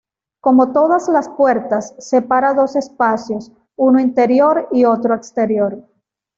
Como todas las puertas, separa dos espacios, uno interior y otro exterior.